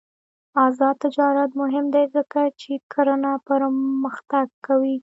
آزاد تجارت مهم دی ځکه چې کرنه پرمختګ کوي.